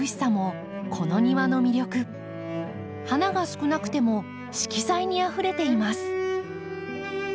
花が少なくても色彩にあふれています。